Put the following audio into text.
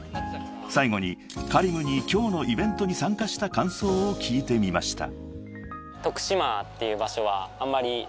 ［最後にＫａｒｉｍに今日のイベントに参加した感想を聞いてみました］